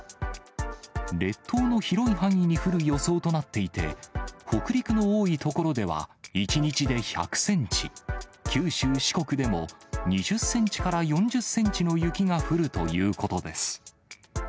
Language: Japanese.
列島の広い範囲に降る予想となっていて、北陸の多い所では、１日で１００センチ、九州、四国でも２０センチから４０センチの雪が降るということです。